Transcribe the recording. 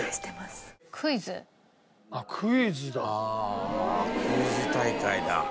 ああクイズ大会だ。